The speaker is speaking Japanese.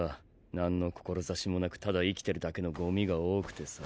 何の志もなくただ生きてるだけのゴミが多くてさ。